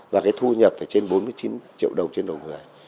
và cái thu nhập là trên bốn mươi chín triệu đồng trên đầu người